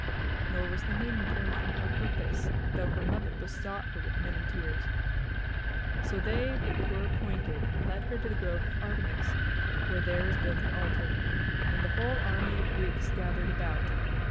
Nor was the maiden turned from her purpose though her mother besought her with many tears. So they that were appointed led her to the grove of Artemis, where there was built an altar, and the whole army of the Greeks gathered about.